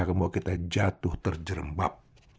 akan membuat kita jatuh terjerembab